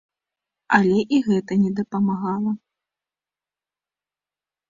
Але і гэта не дапамагала.